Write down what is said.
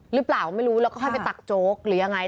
หรือเปล่าไม่รู้แล้วก็ค่อยไปตักโจ๊กหรือยังไง